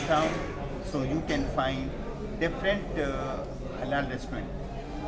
jadi kamu bisa menemukan restoran halal yang berbeda